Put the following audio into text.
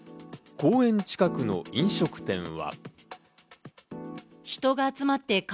公園近くの飲食店は。